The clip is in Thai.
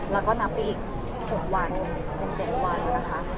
แล้วก็นับไปอีก๖วันเป็น๗วันนะคะ